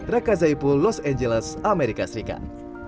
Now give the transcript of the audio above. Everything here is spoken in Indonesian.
rekazaipul los angeles amerika serikat